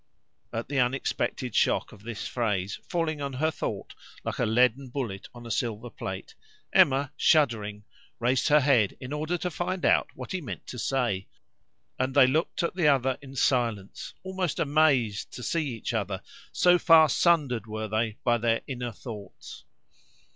At the unexpected shock of this phrase falling on her thought like a leaden bullet on a silver plate, Emma, shuddering, raised her head in order to find out what he meant to say; and they looked at the other in silence, almost amazed to see each other, so far sundered were they by their inner thoughts.